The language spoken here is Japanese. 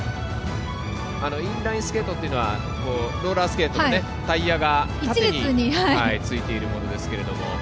インラインスケートはローラースケートのタイヤが縦についているものですけれども。